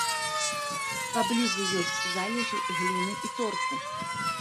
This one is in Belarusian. Паблізу ёсць залежы гліны і торфу.